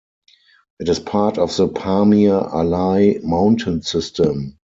It is part of the Pamir-Alai mountain system.